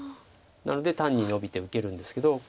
なので単にノビて受けるんですけど。